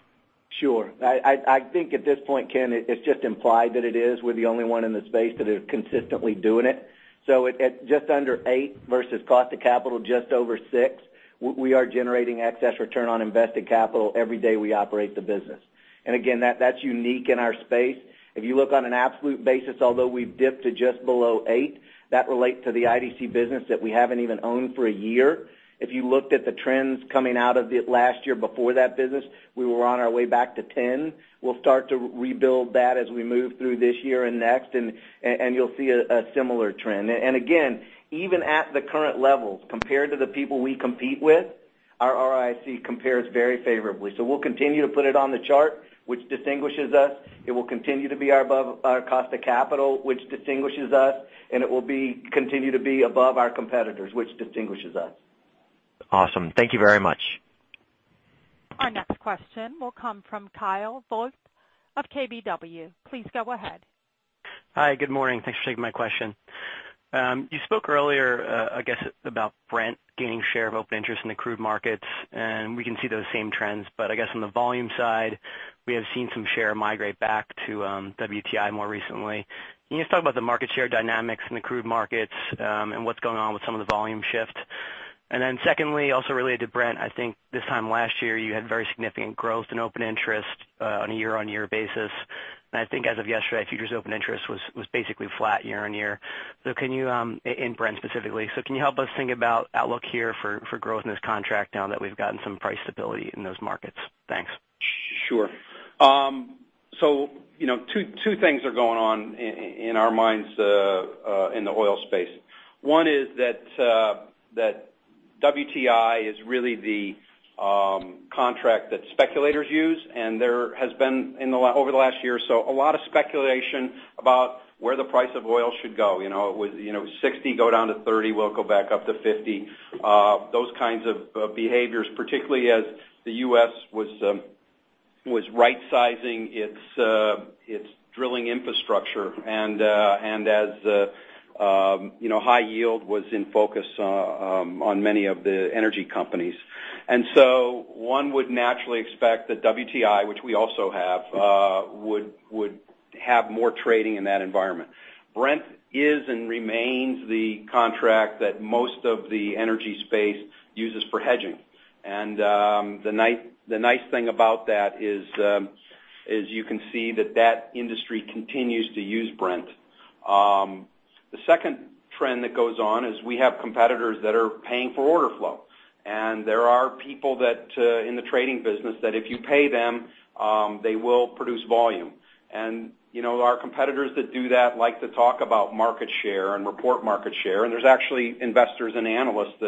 Sure. I think at this point, Ken, it's just implied that it is. We're the only one in the space that is consistently doing it. At just under 8 versus cost of capital just over 6, we are generating excess return on invested capital every day we operate the business. Again, that's unique in our space. If you look on an absolute basis, although we've dipped to just below 8, that relates to the IDC business that we haven't even owned for a year. If you looked at the trends coming out of the last year before that business, we were on our way back to 10. We'll start to rebuild that as we move through this year and next, and you'll see a similar trend. Again, even at the current levels, compared to the people we compete with, our ROIC compares very favorably. We'll continue to put it on the chart, which distinguishes us. It will continue to be above our cost of capital, which distinguishes us, and it will continue to be above our competitors, which distinguishes us. Awesome. Thank you very much. Our next question will come from Kyle Voigt of KBW. Please go ahead. Hi. Good morning. Thanks for taking my question. You spoke earlier, I guess about Brent gaining share of open interest in the crude markets, and we can see those same trends, but I guess on the volume side, we have seen some share migrate back to WTI more recently. Can you just talk about the market share dynamics in the crude markets, and what's going on with some of the volume shift? Secondly, also related to Brent, I think this time last year, you had very significant growth in open interest on a year-on-year basis. I think as of yesterday, futures open interest was basically flat year-on-year. Can you, in Brent specifically, can you help us think about outlook here for growth in this contract now that we've gotten some price stability in those markets? Thanks. Sure. Two things are going on in our minds in the oil space. One is that WTI is really the contract that speculators use, and there has been over the last year or so, a lot of speculation about where the price of oil should go. It was $60 go down to $30, we'll go back up to $50. Those kinds of behaviors, particularly as the U.S. was right-sizing its drilling infrastructure and as high yield was in focus on many of the energy companies. One would naturally expect that WTI, which we also have, would have more trading in that environment. Brent is and remains the contract that most of the energy space uses for hedging The nice thing about that is you can see that that industry continues to use Brent. The second trend that goes on is we have competitors that are paying for order flow. There are people in the trading business that if you pay them, they will produce volume. Our competitors that do that like to talk about market share and report market share, and there's actually investors and analysts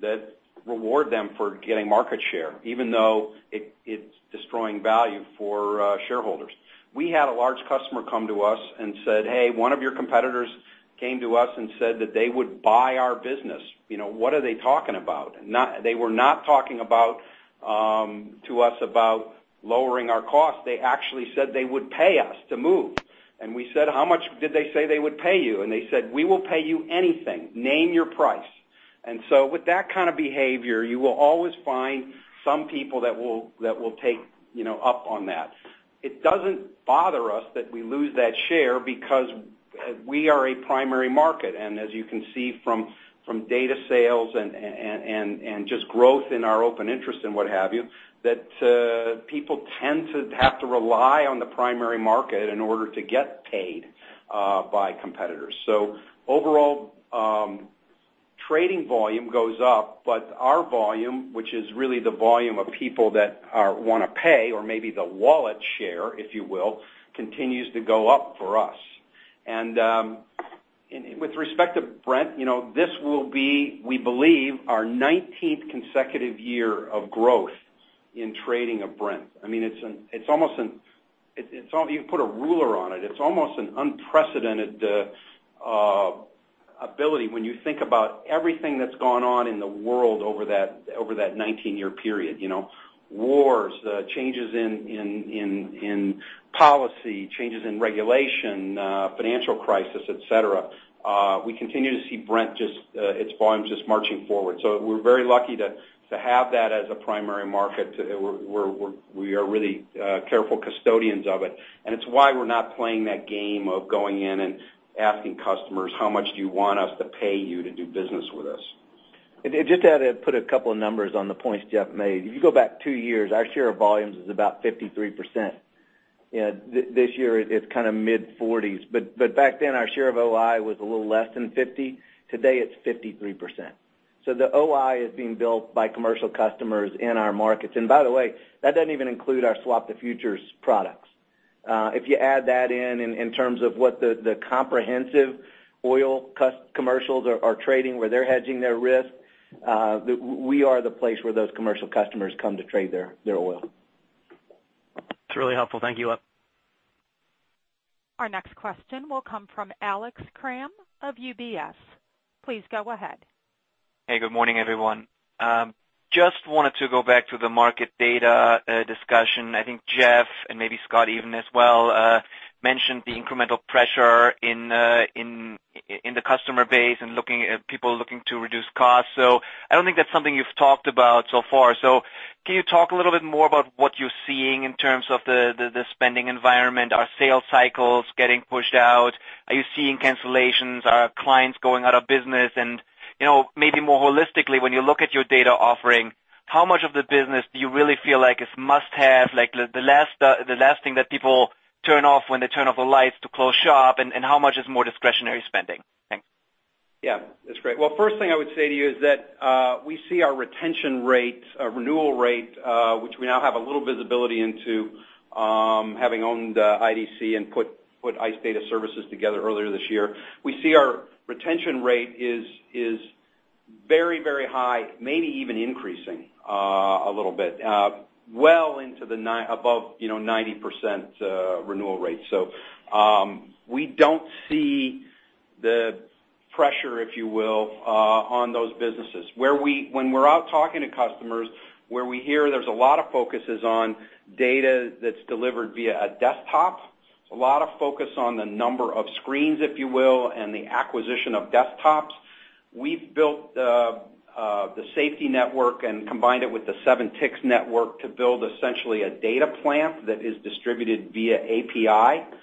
that reward them for getting market share, even though it's destroying value for shareholders. We had a large customer come to us and said, "Hey, one of your competitors came to us and said that they would buy our business. What are they talking about?" They were not talking to us about lowering our cost. They actually said they would pay us to move. We said, "How much did they say they would pay you?" They said, "We will pay you anything. Name your price." With that kind of behavior, you will always find some people that will take up on that. It doesn't bother us that we lose that share because we are a primary market, and as you can see from data sales and just growth in our open interest and what have you, that people tend to have to rely on the primary market in order to get paid by competitors. Overall, trading volume goes up, but our volume, which is really the volume of people that want to pay or maybe the wallet share, if you will, continues to go up for us. With respect to Brent, this will be, we believe, our 19th consecutive year of growth in trading of Brent. You can put a ruler on it. It's almost an unprecedented ability when you think about everything that's gone on in the world over that 19-year period. Wars, changes in policy, changes in regulation, financial crisis, et cetera. We continue to see Brent, its volume, just marching forward. We're very lucky to have that as a primary market. We are really careful custodians of it, and it's why we're not playing that game of going in and asking customers, "How much do you want us to pay you to do business with us? Just to put a couple of numbers on the points Jeff made. If you go back two years, our share of volumes is about 53%. This year, it's mid-40s. Back then, our share of OI was a little less than 50. Today, it's 53%. The OI is being built by commercial customers in our markets. By the way, that doesn't even include our swap to futures products. If you add that in terms of what the comprehensive oil commercials are trading, where they're hedging their risk, we are the place where those commercial customers come to trade their oil. It's really helpful. Thank you. Our next question will come from Alex Kramm of UBS. Please go ahead. Hey, good morning, everyone. Wanted to go back to the market data discussion. I think Jeff, and maybe Scott even as well, mentioned the incremental pressure in the customer base and people looking to reduce costs. I don't think that's something you've talked about so far. Can you talk a little bit more about what you're seeing in terms of the spending environment? Are sales cycles getting pushed out? Are you seeing cancellations? Are clients going out of business? Maybe more holistically, when you look at your data offering, how much of the business do you really feel like is must-have, like the last thing that people turn off when they turn off the lights to close shop, and how much is more discretionary spending? Thanks. That's great. First thing I would say to you is that we see our retention rates, renewal rate, which we now have a little visibility into, having owned IDC and put ICE Data Services together earlier this year. We see our retention rate is very high, maybe even increasing a little bit. Well above 90% renewal rate. We don't see the pressure, if you will, on those businesses. When we're out talking to customers, where we hear there's a lot of focus on data that's delivered via a desktop, a lot of focus on the number of screens, if you will, and the acquisition of desktops. We've built the SFTI network and combined it with the 7ticks network to build essentially a data plant that is distributed via API.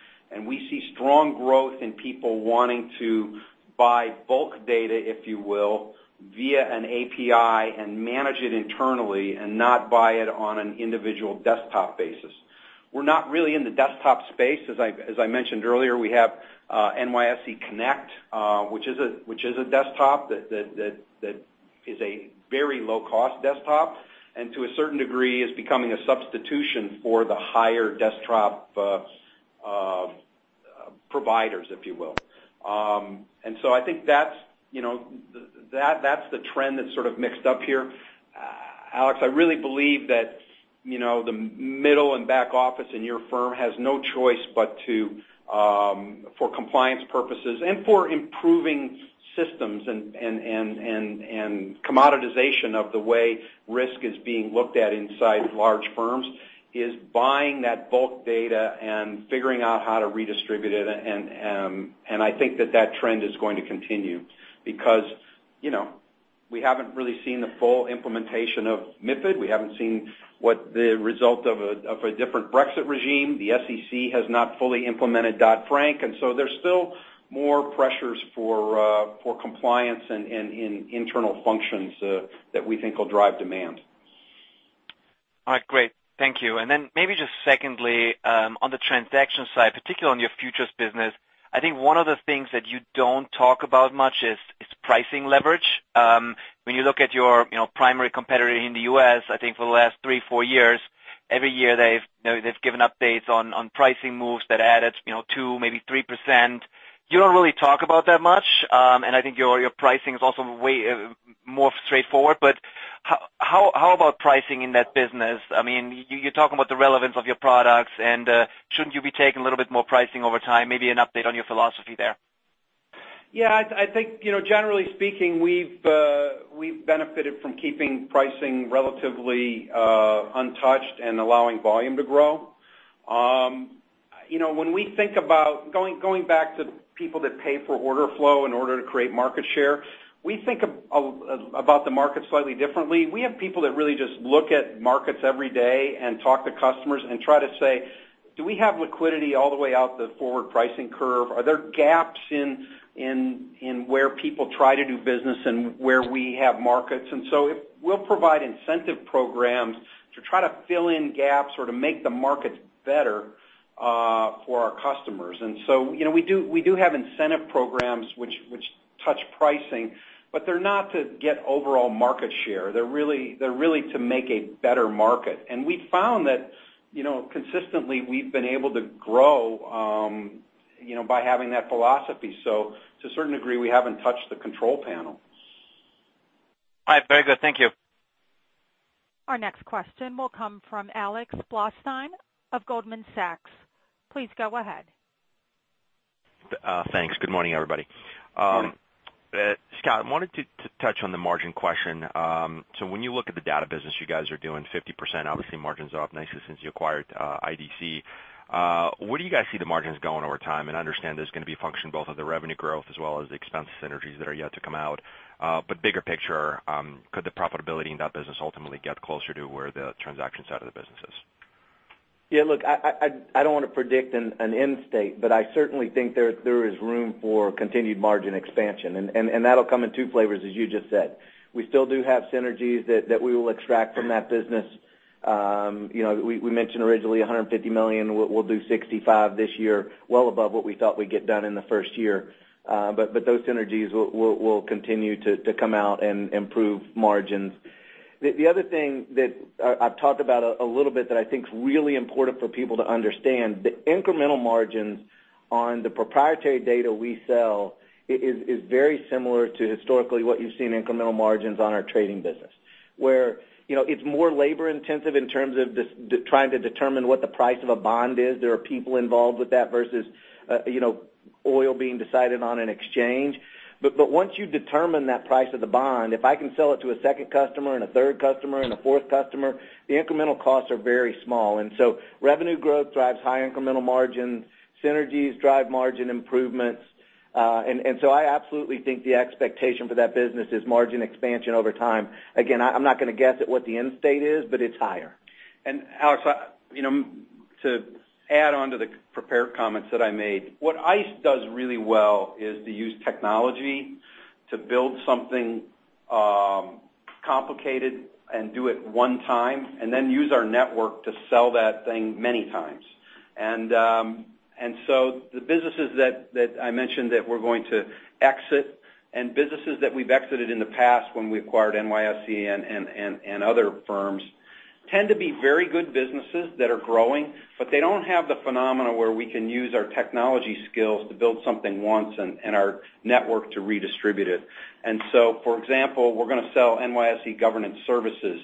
We see strong growth in people wanting to buy bulk data, if you will, via an API and manage it internally and not buy it on an individual desktop basis. We're not really in the desktop space. As I mentioned earlier, we have NYSE Connect, which is a desktop that is a very low-cost desktop, to a certain degree, is becoming a substitution for the higher desktop providers, if you will. I think that's the trend that's sort of mixed up here. Alex, I really believe that the middle and back office in your firm has no choice but to, for compliance purposes and for improving systems and commoditization of the way risk is being looked at inside large firms, is buying that bulk data and figuring out how to redistribute it. I think that that trend is going to continue because we haven't really seen the full implementation of MiFID. We haven't seen what the result of a different Brexit regime. The SEC has not fully implemented Dodd-Frank, there's still more pressures for compliance and internal functions that we think will drive demand. All right, great. Thank you. Maybe just secondly, on the transaction side, particularly on your futures business, I think one of the things that you don't talk about much is pricing leverage. When you look at your primary competitor in the U.S., I think for the last three, four years, every year they've given updates on pricing moves that added 2%, maybe 3%. You don't really talk about that much. I think your pricing is also way more straightforward, but how about pricing in that business? You're talking about the relevance of your products, shouldn't you be taking a little bit more pricing over time? Maybe an update on your philosophy there. Yeah. I think, generally speaking, we've benefited from keeping pricing relatively untouched and allowing volume to grow. When we think about going back to people that pay for order flow in order to create market share, we think about the market slightly differently. We have people that really just look at markets every day and talk to customers and try to say, "Do we have liquidity all the way out the forward pricing curve? Are there gaps in where people try to do business and where we have markets?" We'll provide incentive programs to try to fill in gaps or to make the markets better for our customers. We do have incentive programs which touch pricing, but they're not to get overall market share. They're really to make a better market. We've found that consistently, we've been able to grow by having that philosophy. To a certain degree, we haven't touched the control panel. All right. Very good. Thank you. Our next question will come from Alex Blostein of Goldman Sachs. Please go ahead. Thanks. Good morning, everybody. Good morning. Scott, I wanted to touch on the margin question. When you look at the data business, you guys are doing 50%. Obviously, margins are up nicely since you acquired IDC. Where do you guys see the margins going over time? I understand there's going to be a function both of the revenue growth as well as the expense synergies that are yet to come out. Bigger picture, could the profitability in that business ultimately get closer to where the transaction side of the business is? Yeah, look, I don't want to predict an end state, but I certainly think there is room for continued margin expansion, and that'll come in two flavors, as you just said. We still do have synergies that we will extract from that business. We mentioned originally $150 million. We'll do $65 this year, well above what we thought we'd get done in the first year. Those synergies will continue to come out and improve margins. The other thing that I've talked about a little bit that I think is really important for people to understand, the incremental margins on the proprietary data we sell is very similar to historically what you've seen incremental margins on our trading business. Where it's more labor-intensive in terms of trying to determine what the price of a bond is. There are people involved with that versus oil being decided on an exchange. Once you determine that price of the bond, if I can sell it to a second customer and a third customer and a fourth customer, the incremental costs are very small. Revenue growth drives high incremental margins, synergies drive margin improvements. I absolutely think the expectation for that business is margin expansion over time. Again, I'm not going to guess at what the end state is, but it's higher. Alex, to add onto the prepared comments that I made, what ICE does really well is to use technology to build something complicated and do it one time, and then use our network to sell that thing many times. The businesses that I mentioned that we're going to exit and businesses that we've exited in the past when we acquired NYSE and other firms tend to be very good businesses that are growing, but they don't have the phenomena where we can use our technology skills to build something once and our network to redistribute it. For example, we're going to sell NYSE Governance Services.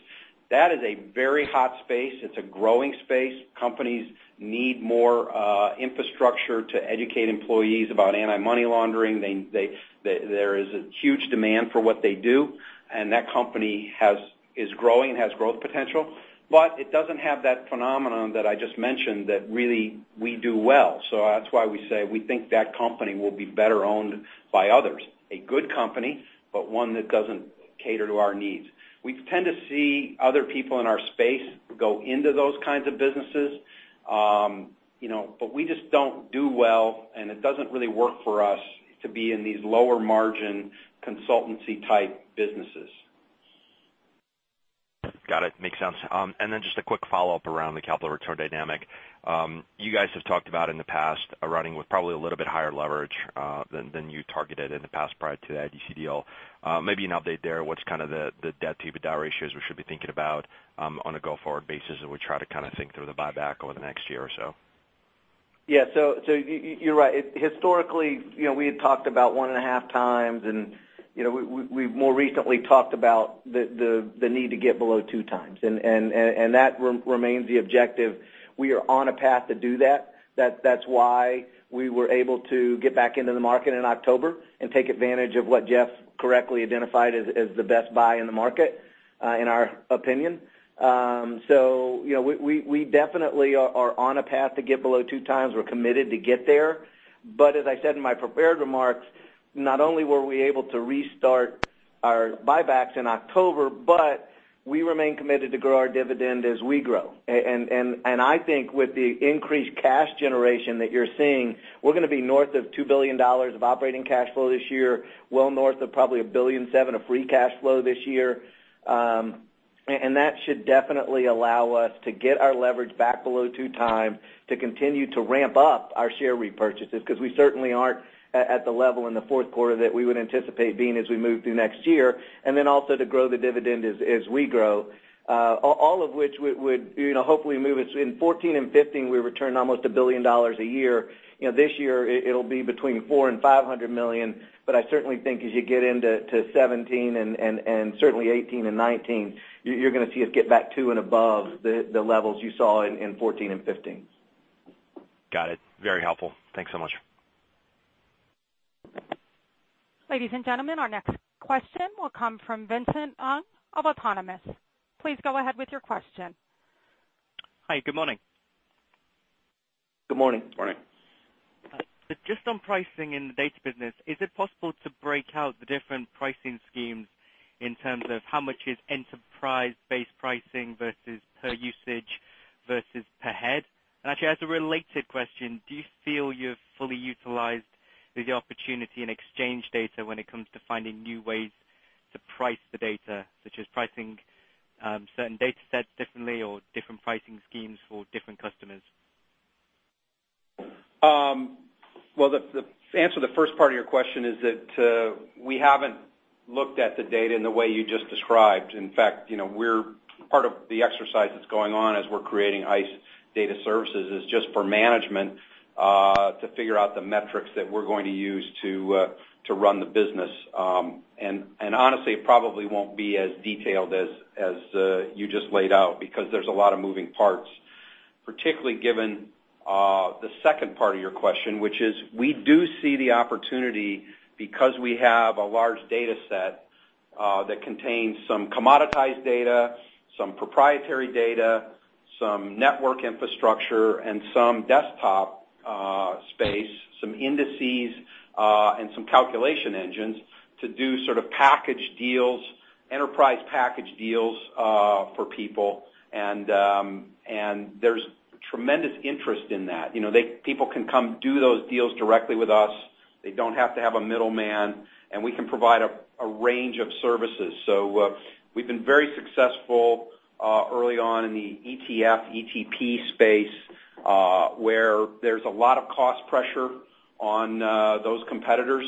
That is a very hot space. It's a growing space. Companies need more infrastructure to educate employees about anti-money laundering. There is a huge demand for what they do, and that company is growing, has growth potential, but it doesn't have that phenomenon that I just mentioned that really we do well. That's why we say we think that company will be better owned by others. A good company, but one that doesn't cater to our needs. We tend to see other people in our space go into those kinds of businesses. We just don't do well, and it doesn't really work for us to be in these lower-margin consultancy-type businesses. Got it. Makes sense. Then just a quick follow-up around the capital return dynamic. You guys have talked about in the past, running with probably a little bit higher leverage than you targeted in the past prior to the IDC deal. Maybe an update there. What's kind of the debt to EBITDA ratios we should be thinking about on a go-forward basis as we try to kind of think through the buyback over the next year or so? Yeah. You're right. Historically, we had talked about one and a half times, we've more recently talked about the need to get below two times, that remains the objective. We are on a path to do that. That's why we were able to get back into the market in October and take advantage of what Jeff Sprecher correctly identified as the best buy in the market, in our opinion. We definitely are on a path to get below two times. We're committed to get there. As I said in my prepared remarks, not only were we able to restart our buybacks in October, we remain committed to grow our dividend as we grow. I think with the increased cash generation that you're seeing, we're going to be north of $2 billion of operating cash flow this year, well north of probably $1.7 billion of free cash flow this year. That should definitely allow us to get our leverage back below two times to continue to ramp up our share repurchases, because we certainly aren't at the level in the fourth quarter that we would anticipate being as we move through next year, also to grow the dividend as we grow. All of which would hopefully move us. In 2014 and 2015, we returned almost $1 billion a year. This year, it'll be between $400 million and $500 million, I certainly think as you get into 2017 and certainly 2018 and 2019, you're going to see us get back to and above the levels you saw in 2014 and 2015. Got it. Very helpful. Thanks so much. Ladies and gentlemen, our next question will come from Vincent Ng of Autonomous. Please go ahead with your question. Hi. Good morning. Good morning. Morning. Is it possible to break out the different pricing schemes in terms of how much is enterprise-based pricing versus per usage versus per head? Actually, as a related question, do you feel you've fully utilized the opportunity in exchange data when it comes to finding new ways to price the data, such as pricing certain data sets differently or different pricing schemes for different customers? Well, the answer to the first part of your question is that we haven't looked at the data in the way you just described. In fact, part of the exercise that's going on as we're creating ICE Data Services is just for management to figure out the metrics that we're going to use to run the business. Honestly, it probably won't be as detailed as you just laid out because there's a lot of moving parts, particularly given the second part of your question, which is we do see the opportunity because we have a large data set that contains some commoditized data, some proprietary data, some network infrastructure, and some desktop space, some indices, and some calculation engines to do sort of enterprise package deals for people. There's tremendous interest in that. People can come do those deals directly with us. They don't have to have a middleman, and we can provide a range of services. We've been very successful early on in the ETF, ETP space, where there's a lot of cost pressure on those competitors.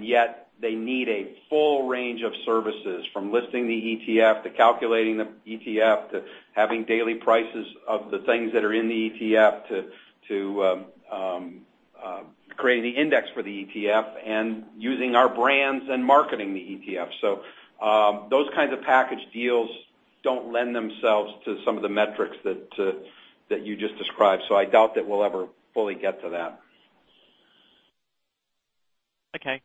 Yet they need a full range of services, from listing the ETF to calculating the ETF to having daily prices of the things that are in the ETF to creating the index for the ETF and using our brands and marketing the ETF. Those kinds of package deals don't lend themselves to some of the metrics that you just described. I doubt that we'll ever fully get to that. Okay.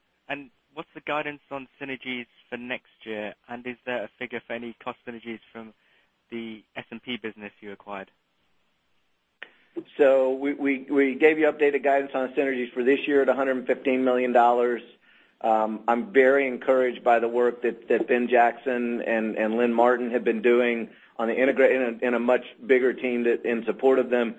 What's the guidance on synergies for next year? Is there a figure for any cost synergies from the S&P business you acquired? We gave you updated guidance on synergies for this year at $115 million. I'm very encouraged by the work that Ben Jackson and Lynn Martin have been doing, and a much bigger team in support of them,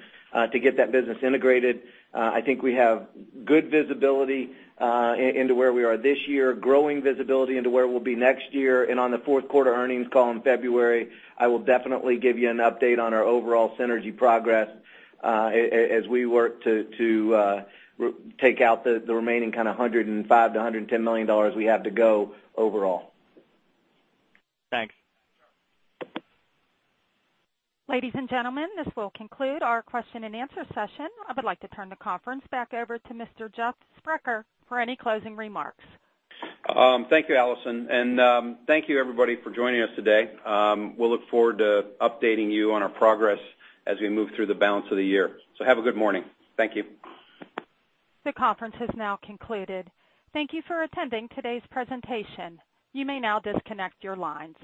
to get that business integrated. I think we have good visibility into where we are this year, growing visibility into where we'll be next year. On the fourth quarter earnings call in February, I will definitely give you an update on our overall synergy progress as we work to take out the remaining kind of $105 million to $110 million we have to go overall. Thanks. Ladies and gentlemen, this will conclude our question-and-answer session. I would like to turn the conference back over to Mr. Jeff Sprecher for any closing remarks. Thank you, Allison. Thank you, everybody, for joining us today. We'll look forward to updating you on our progress as we move through the balance of the year. Have a good morning. Thank you. The conference has now concluded. Thank you for attending today's presentation. You may now disconnect your lines.